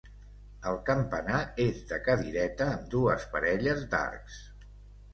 El campanar és de cadireta amb dues parelles d'arcs.